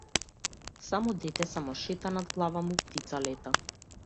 Само дете, само шета над глава му птица лета.